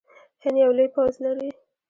هند یو لوی پوځ لري.